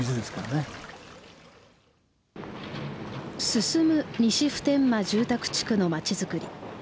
進む西普天間住宅地区の街づくり。